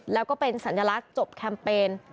แล้วก็เป็นสัญลักษณ์จบแคมเปญ